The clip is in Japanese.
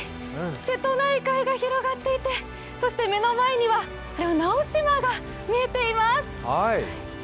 瀬戸内海が広がっていて、目の前には直島が見えています。